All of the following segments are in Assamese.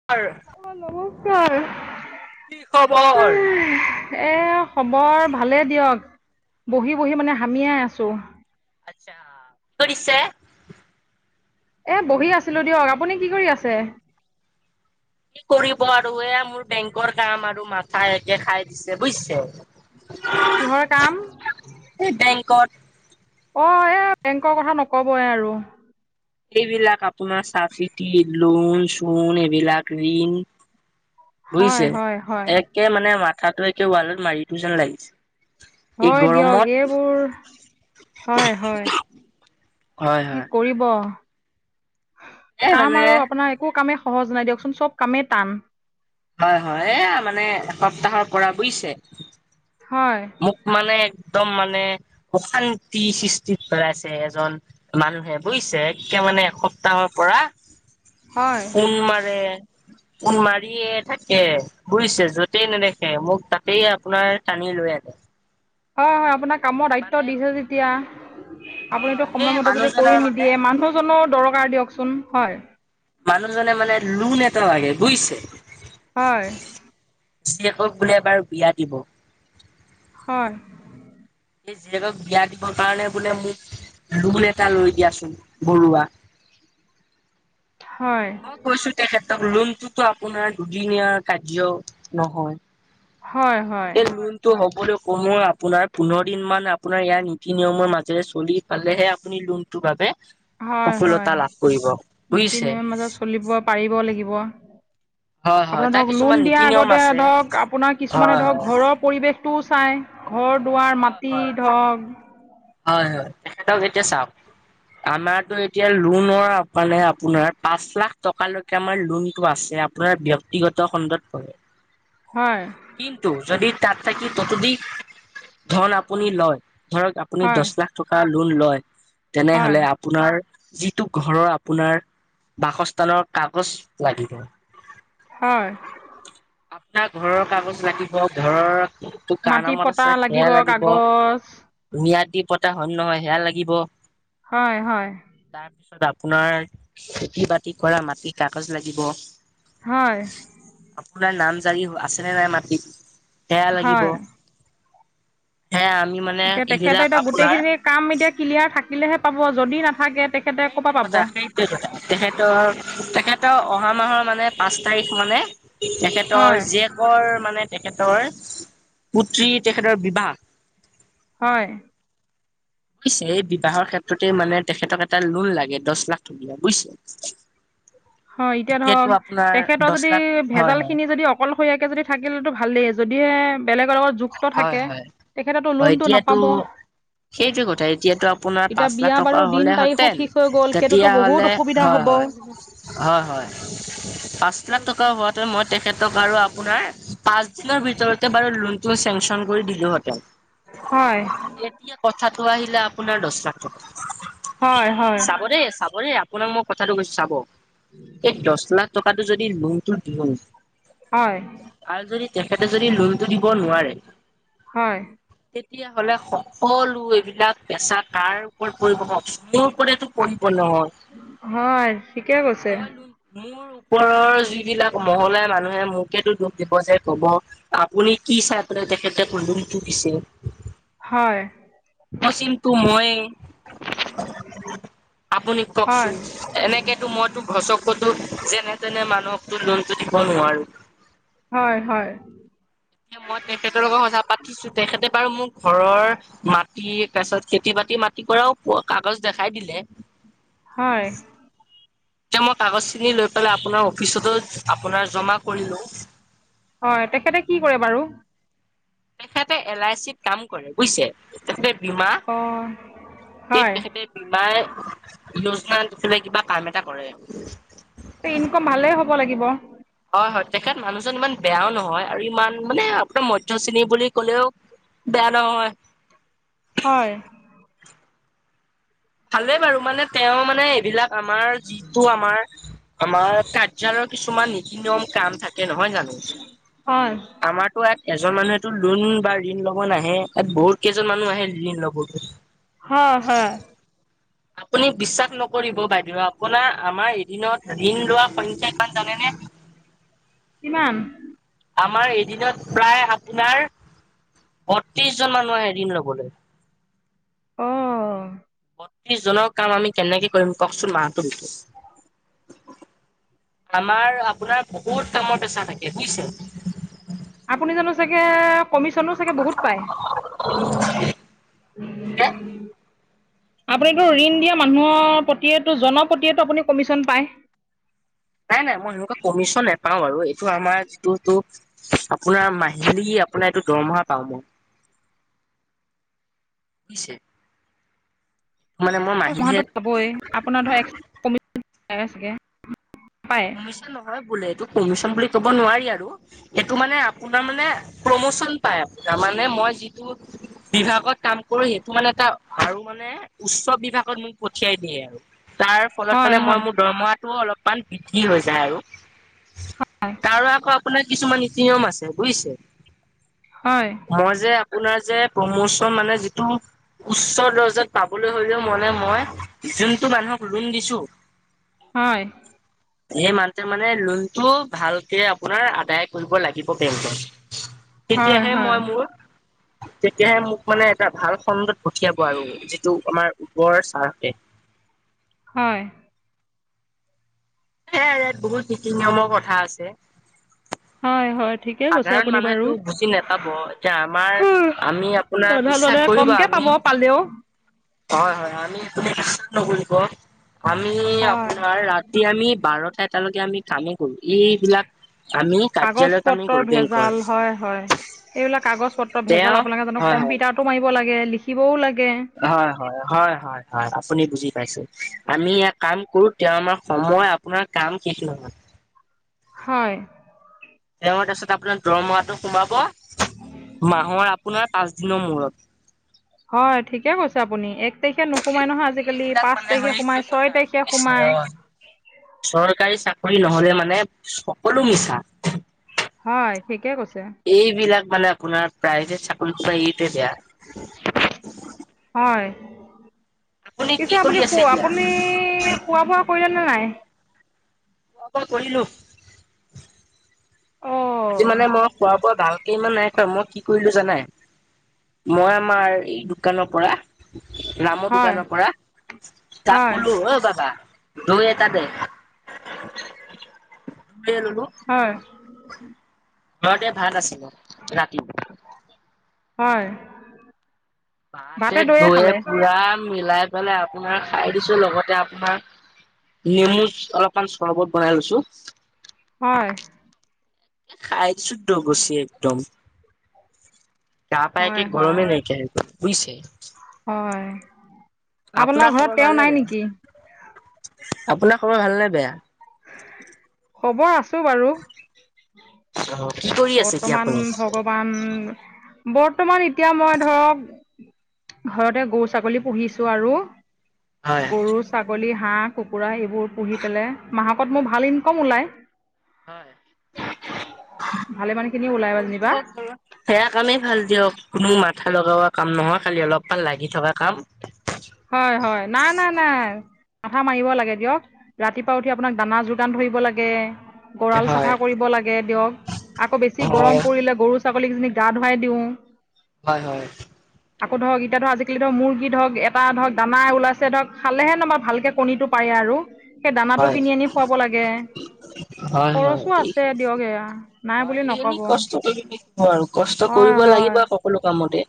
[unintelligible] নমস্কাৰ। কি খবৰ? এ খবৰ ভালে দিয়ক। বহি - বহি মানে হামিয়াই আছোঁ। আচ্ছা। [inaudible] কৰিছে? এ বহি আছিলোঁ দিয়ক। আপুনি কি কৰি আছে? কি কৰিব আৰু, এ মোৰ বেংকৰ কাম আৰু মাথা একে খাই দিছে, বুইছে। কিহৰ কাম? এই বেংকত। অ' এ বেংকৰ কথা নকবএ আৰু। এইবিলাক আপোনাৰ চাবচিতি, লোন-চোন, এইবিলাক ঋণ হয় বুজিছে হয় হয় একে মানে মাথাটো একে ৱালত মাৰিটো যেন লাগিছে। এই হয় দিয়ক গৰমত এইবোৰ হয় হয়। হয় কি হয় কৰিব। এই কাম মানে আৰু আপোনাৰ একো কামে সহজ নাই দিয়কচোন। চব কামেই টান। হয় হয় এয়া মানে এসপ্তাহৰ পৰা বুইছে। হয়। মোক মানে একদম মানে অশান্তি সৃষ্টিত কৰাইছে এজন মানুহে বুজিছে একে মানে এসপ্তাহৰ পৰা হয়‌। ফোন মাৰে, ফোন মাৰিয়ে থাকে বুজিছে যদ- তেন এনেকে মোক তাতেই আপোনাৰ টানি লৈ আন- হয় হয় আপোনাক কামৰ দায়িত্ব মানে দিছে যেতিয়া অ আপুনিতো এই সময়মতে যদি মানুহজনৰ কৰি মানে নিদিয়ে মানুহজনো দৰকাৰ দিয়কচোন হয়। মানুহজনে মানে লোন এটা লাগে বুইছে। হয়। জীয়েকক বোলে এবাৰ বিয়া দিব। হয়। এই জীয়েকক বিয়া দিবৰ কাৰণে বোলে মোক লোন এটা লৈ দিয়াচোন বৰুৱা। হয়। মই কৈছো তেখেতক লোনটোত আপোনাৰ দুদিনীয়া কাৰ্য নহয়। হয়, হয়, এই লোন টো হ'বলৈ কমেওঁ আপোনাৰ পোন্ধৰ দিন মান আপোনাৰ ইয়াৰ নীতি নিয়মৰ মাজেৰে চলি পালেহে আপুনি লোন টোৰ বাবে হয়, হয়। সফলতা লাভ কৰিব নীতি বুইছে। নিয়মৰ মাজত চলিব পাৰিবও লাগিব। হয় হয় আপোনাৰ তাৰ ধৰক কিছুমান লোন দিয়া নীতি নিয়ম আগতে আছে ধৰক আপোনাৰ কিছুমানে হয় হয় ধৰক ঘৰপ পৰিৱেশটোও চাই ঘৰ দুৱাৰ হয় মাটি হয় ধৰক হয় হয় তেখেতক এতিয়া চাওঁক আমাৰ এতিয়া লোনৰ মানে আপোনাৰ পাঁচ লাখ টকা লৈক- আমাৰ লোন টো আছে আপোনাৰ ব্যক্তিগত খণ্ডত পৰে। হয়। কিন্তু যদি তাত থাকি ততোধি- ধন আপুনি লয় ধৰক আপুনি হয়, দহ লাখ টকা লোন লয় হয়, তেনেহলে আপ- আপোনাৰ যিটো ঘৰৰ আপোনাৰ বাসস্থানৰ কাগজ লাগিব। হয়। আপোনাৰ ঘৰৰ কাগজ লাগিব ঘৰৰ টো কাৰ মাটি নামত পটা আছে। সেয়া লাগিব কাগজ মিয়াদি পতাখন নহয় সেয়া লাগিব। হয় হয়। তাৰ পিছত আপোনাৰ খেতি বাতি কৰা মাটিৰ কাগজ লাগিব। হয়। আপোনাৰ নাম জাৰি আছেনে নাই মাটিত সেয়া লাগিব। হয়। সেয়া আমি মা- এতিয়া তেখেতেত এতিয়া গোটেইখিনি কাম এতিয়া ক্লিয়াৰ থাকিলেহে পাব যদি নাথাকে তেখ- সেইটোৱে কথা সেই টোৱে কথা তেখেতৰ, তেখেতৰ অহা মাহৰ মানে পাঁচ তাৰিখ মানে হয়, তেখেতৰ জীয়েকৰ মানে তেখেতৰ পুত্ৰী তেখেতৰ বিবাহ। হয়। বুইছে এই বিবাহৰ ক্ষেত্ৰতে মানে তেখেতক এটা লোন লাগে দহ লাখ টকীয়া বুইছে। হয় এতিয়া ধৰক তেখেতৰ দহ যদি লাখ হয় ভেজাল হয় খিনি যদি- অকলশৰীয়াকে যদি থাকিলেতো ভালেই যদিহে বেলেগৰ লগত- ত হয় থাকে হয় তেখেতেটো হয় লোনটো এতিয়াতো নাপাব। সেইটোৱে কথা এতিয়াতো আপোনাৰ এতিয়া পাঁচ লাখ বিয়া টকা বাৰু দিন তাৰিখো হ'লেহেঁতেন ঠিক হৈ গ'ল সেইটোতো তেতিয়া হ'লে বহুত অসু হেঁতেন তেতিয়াহ'লে সুবিধা হব। হয় হয় হয় পাঁচ লাখ টকা হোৱাতোৱে মই তেখেতক আৰু আপোনাৰ পাঁচ দিনৰ ভিতৰতে বাৰু লোনটো চেংচন কৰি দিলো হেতেন। হয় এতিয়া কথাটো আহিলে আপোনাৰ দছ লাখ টকা হয় হয় চাব দেই চাব দেই আপ আপোনাক মই কথাটো কৈছো চাব এই দছ লাখ টকাটো যদি লোনটো দিওঁ হয় আৰু যদি তেখেতে যদি লোনটো দিব নোৱাৰে হয় তেতিয়াহলে সকলো এইবিলাক পেচাৰ কাৰ ওপৰত পৰিব কওক চোন মোৰ ওপৰতেতো পৰিপূৰ্ণ হয়। হয় ঠিকে কৈছে। লোন মোৰ ওপৰৰ যিবিলাক মহলাই মানুহে মোকেতো দুখ দিব যে কব- আপুনি কি চাই পেলাই তেখেতে লোনটো দিছে। হয়। ফচিমটো মইয়ে আপুনি- হয় কওকচোন এনেকেতো মত তো ঘচকতো যেনে তেনে মানুহকতো লোনটো দিব নোৱাৰো হয় হয় মই তেখেতৰ লগত কথা পাতিছো তেখেতে বাৰু মোক ঘৰৰ- মাটি তাৰ পিছত খেতি বাতি মাটি কৰাও কাগজ দেখাই দিলে। হয়। এতিয়া মই কাগজখিনি লৈ পেলাই আপোনাৰ অফিচতো আপোনাৰ জমা কৰিলোঁ। হয় তেখেতে কি কৰে বাৰু? তেখেঁতে এল আই চিত কাম কৰে বুজিছে, তেখেতে বীমা অঁ হে হয় তেখেতে- মাই লজমান দিছিলে কিবা কাম এটা কৰে। ইনকম ভালেই হ'ব লাগিব। হয় হয় তেখেত মানুহজন ইমান বেয়াও নহয় আৰু ইমান মানে আপোনাৰ মধ্য শ্ৰেণী বুলি কলেও। বেয়া নহয়। হয়। ভালে বাৰু মানে তেওঁ মানে এইবিলাক আমাৰ যিটো আমাৰ- আমাৰ কাৰ্যালয়ৰ কিছুমান নীতি নিয়ম কাম থাকে নহয় জানো। হয়। আমাৰতো ইয়াত এজন মানুহেতো লোন বা ঋণ ল'ব নাহে ইয়াত বহুত কেইজন মানুহ আহে ঋণ ল'বলে হয় হয় আপুনি বিশ্বাস নকৰিব বাইদেউ আপোনাৰ আমাৰ এদিনত ঋণ লোৱা সংখ্যা কিমান জানেনে? কিমান? আমাৰ এদিনত প্ৰায় আপোনাৰ বত্ৰিশ জন মানুহ আহে ঋণ ল'বলৈ। অ। বত্ৰিশজনৰ কাম আমি কেনেকে কৰিম কওকচোন মাহটোৰ ভিতৰত আমাৰ আপোনাৰ বহুত কামৰ পেচা থাকে বুই-ছে। আপুনি জানো চাগে কমিচনো চাগে বহুত পায়। উ [unintelligible] আপুনিতো ঋণ দিয়া মানুহৰ প্ৰতিয়েটো জন প্ৰতিয়েতো আপুনি কমিচন পায়। নাই নাই মই সেনেকুৱা কমিচন নেপাও বাৰু এইটো আমাৰ যিটোটো- আপোনাৰ মাহিলী আপোনাৰ এইটো দৰমহা পাওঁ মই [inaudible] বুই-ছে। মাহিলী চহাটো পাবই আপোনাৰ ধৰক এক্সম পায় চাগে, পায়? কমিশন নহয় বোলে, এইটো কমিশন বুলি ক'ব নোৱাৰি আৰু। সেইটো মানে আপোনাৰ মানে প্ৰমোচন পায় তাৰ মানে মই যিটো- বিভাগত কাম কৰো সেইটো মানে এটা আৰু মানে উচ্চ বিভাগত মোক পঠিয়াই দিয়ে আৰু। তাৰ ফলত হয়, মানে মই হয়, মোৰ দৰমহাটো অলপমান বৃদ্ধি হৈ যায় আৰু। হয়, তাৰো আকৌ আপোনাৰ কিছুমান নীতি-নিয়ম আছে, বুজিছে? হয়। মই যে আপোনাৰ যে প্ৰমোচন মানে যিটো উচ্চ দৰ্জাত পাবলৈ হলেও মনে মই যোনটো মানুহক লোন দিছো হয়। সেই মানতে মানে লোন টো ভালকে আপোনাৰ আদায় কৰিব লাগিব। তেন্তে, হয়, তেতিয়াহে মই মোৰ তেতিয়াহে মোক মানে এটা ভাল খণ্ডত পঠিয়াব আৰু যিটো আমাৰ ওপৰৰ চাৰহতে। হয়। সেয়া ইয়াত বহুত নীতি নিয়মৰ কথা আছে। হয় হয়। ঠিকে কৈছে সাধাৰণ আপুনি বাৰু, মানুহেতো বুজি নাপাব এতিয়া আমাৰ আমি হাউ আপোনাৰ আধা বিশ্বাস ল'লে কৰিব কমকে পাব আমি পালেও। হয় হয় আমি মি'চ নকৰিব, আমি হয়। আপোনাৰ ৰা এতিয়া আমি বাৰটা-এটালৈকে আমি কামে- কৰো এইবিলাক আমি কাগজ কাৰ্য্যালয়ত আমি পত্ৰৰ কৰো ভেজাল বেংকৰ- হয়, হয়। এইবিলাক কাগজ-পত্ৰ ভেজাল তেওঁ আপোনালোকে জানো হয় হয় কম্পিউটাৰতো মাৰিব লাগে, লিখিবও লাগে। হয় হয়, হয় হয়, হয় আপুনি বুজি পাইছে আমি ইয়া কাম কৰো তেওঁ আমাৰ সময় আপোনাৰ কাম কি'তো হয় মা হয়। তেওঁ তাৰপাছত আপোনাৰ দৰমহাটো সোমাব মাহৰ আপোনাৰ পাঁচ দিনৰ মূৰত। হয় ঠিকে কৈছে আপুনি, এক তাৰিখে নোসোমাই নহয় আজি আজিকালি এইবিলাক পাঁচ মানে হয় তাৰিখে সোমাই, কথা ছয় তাৰিখে বুজিছে সোমায়। অ চৰকাৰী চাকৰি নহলে মানে সকলো মিছা। হয় ঠিকে কৈছে। এইবিলাক মানে আপোনাৰ প্ৰায়ভেট চাকৰি খোপা ইটোৱে বেয়া হয়। পিছে কি কৰি আপুনি আছে খো এতিয়া? আপুনি খোৱা-বোৱা কৰিলে নে নাই? অ কৰিলো। আজি অ' মানে মই খোৱা-বোৱা ভাল এইমান নাই কৰা, মই কি কৰিলো জানাই, মই আমাৰ এই দোকানৰ পৰা ৰামৰ হয় দোকানৰ পৰা তাক হয় কলো অ বাবা দৈ এটা দে, লৈয়ে ল'লো হয়। ঘৰতে ভাত আছিলে, ৰাতি হয়। ভাতে দৈয়ে পুৰা মিলাই পেলাই আপোনাৰ খাই দিছো লগতে আচা নেমু অলপমান চৰবত বনাই লৈছো। হয়। খাইদিছো ডগচি একদম। তা'পা হয় একে হয় গৰমে নাইকিয় বুজিছে। হয়, আপোনাৰ খবৰ ঘৰত তেওঁ ভালনে নাই বেয়া? নেকি? আপোনাৰ খবৰ ভালনে বেয়া? খবৰ আছো বাৰু অ' কি কৰি আছে এতিয়া বৰ্তমান আপুনি? ভগৱান, বৰ্তমান এতিয়া মই ধৰক ঘৰতে গৰু-ছাগলী পুহিছো আৰু হয়। গৰু-ছাগলী, হাঁহ-কুকুৰা এইবোৰ পুহি পেলাই মাহেকত মোৰ ভাল ইনকম ওলাই। ভালে মান খিনি ওলাই গ'ল যেনিবা। সেয়া কামেই ভাল দিয়ক, কোনো মাথা লগোৱা কাম নহয় খালি অলপাল লাগি থকা কাম। হয়, হয়। নাই-নাই-নাই। মাথা মাৰিব লাগে দিয়ক। ৰাতিপুৱা উঠি আপোনাক দানা যোগান ধৰিব লাগে। গঁৰাল হয়, চাফা কৰিব লাগে দিয়ক। আকৌ বেছি হয়, গৰম পৰিলে গৰু ছাগলীকজনীক গা ধুৱাই দিওঁ। হয়, হয়। আকৌ ধৰক এতিয়া ধৰক আজিকালি মুৰ্গী ধৰক এ এটা ধৰক দানা ওলাইছে ধৰক খালেহে নবা ভালকে কণীটো পাৰে আৰু। দানাটো হয়, কিনি আনি খুৱাব লাগে। হয়, হয়। খৰচো এই আছে দিয়ক এয়া নাই হয় বুলি এইখিনি নক'ব কষ্ট কৰি থাকিব আৰু। কষ্ট হয় কৰিব হয় লাগিবই সকলো কামতে।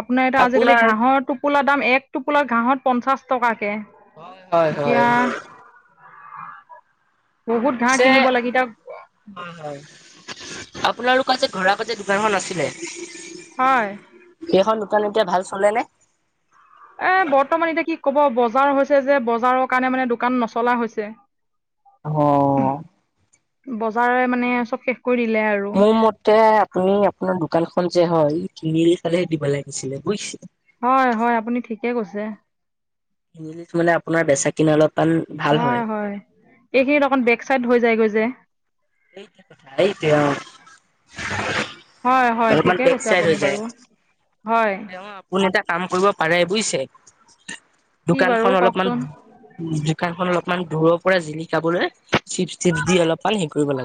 আপোনাৰ এতিয়া আজিকালি আপোনাৰ ঘাঁহৰ টোপোলাৰ দাম এক টোপোলাৰ ঘাঁহত পঞ্চাশ টকাকে। হয়, হয়, হয়, এতিয়া হয়। বহুত ঘাঁহ পিছে কিনিব লাগে এতিয়া হয়, হয়। আপোনালোকৰ যে ঘৰৰ আগত যে দোকানখন আছিলে? হয়। সেইখন দুকান এতিয়া ভাল চলে নে? এ বৰ্তমান এতিয়া কি ক'ব, বজাৰ হৈছে যে বজাৰৰ কাৰণে মানে দোকান নচলা হৈছে। [inaudible] অ'। বজাৰে মানে চ'ব শেষ কৰি দিলে আৰু। মোৰ মতে আপুনি আপোনাৰ দোকানখন যে হয়, তিনিআলীফালেহে দিব লাগিছিলে বুইছে? হয়, হয়, আপুনি ঠিকে কৈছে। তিনিআলিত মানে আপোনাৰ বেচা কিনা অলপমান হয়, হয়, এইখিনিত অকন বেক চাইড হৈ যায়গৈ যে। সেইটোৱে কথা, হেইটোৱে অ'। হয়, হয়, অলপমান ঠিকে বেক কৈছে চাইড আপুনি বাৰু। হয়। কোন এটা কাম কৰিব পাৰে বুইছে? কি বাৰু দোকানখন অলপমান কওকচোন উম, দোকানখন অলপমান দূৰৰ পৰা জিলিকাবলে চিপ টিপ দি অলপমান হেই কৰিব লাগে।